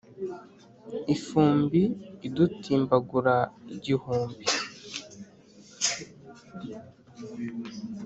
ifumbi idutimbagura igihumbi